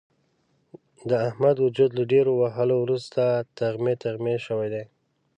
د احمد وجود له ډېرو وهلو ورسته تغمې تغمې شوی دی.